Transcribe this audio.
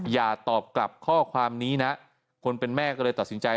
อย่าตอบกลับข้อความนี้นะคนเป็นแม่ก็เลยตัดสินใจ